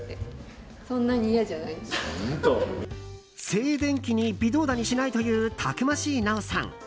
静電気に微動だにしないというたくましい奈緒さん。